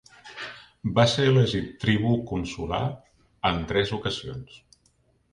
Va ser elegit tribú consular en tres ocasions.